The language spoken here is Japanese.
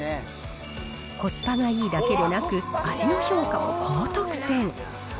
コスパがいいだけでなく、味の評価も高得点。